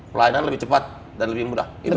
pelayanan lebih cepat dan lebih mudah